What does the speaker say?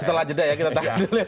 setelah jeda ya